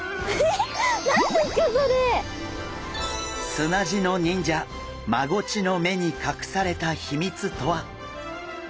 砂地の忍者マゴチの目に隠された秘密とは！？